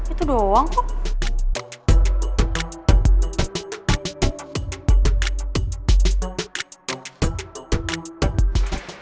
itu doang kok